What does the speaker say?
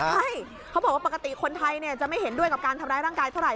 ใช่เขาบอกว่าปกติคนไทยจะไม่เห็นด้วยกับการทำร้ายร่างกายเท่าไห